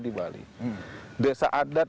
di bali desa adat